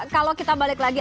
kalau kita balik lagi